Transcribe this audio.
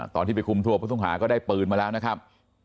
ตอนที่ไปคุมตัวผู้ต้องหาก็ได้ปืนมาแล้วนะครับ